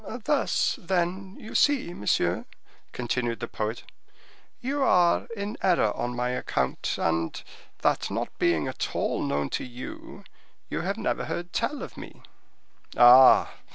"Thus, then, you see, monsieur," continued the poet, "you are in error on my account, and that not being at all known to you, you have never heard tell of me." "Ah!